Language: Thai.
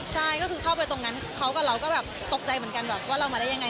ใช่ก็คือเข้าไปตรงนั้นเขากับเราก็แบบตกใจเหมือนกันแบบว่าเรามาได้ยังไง